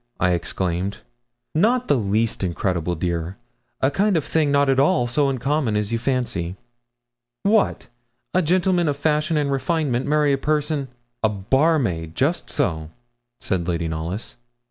I exclaimed. 'Not the least incredible, dear a kind of thing not at all so uncommon as you fancy.' 'What! a gentleman of fashion and refinement marry a person ' 'A barmaid! just so,' said Lady Knollys.